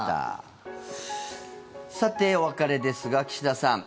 さて、お別れですが岸田さん。